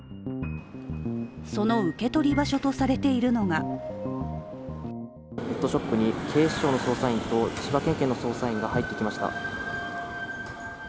その受け取り場所とされているのがペットショップに警視庁の捜査員と千葉県警の捜査員が入っていきました。